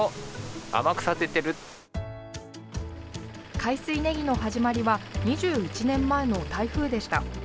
海水ねぎの始まりは２１年前の台風でした。